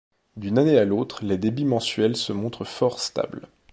D'une année à l'autre les débits mensuels se montrent fort stables.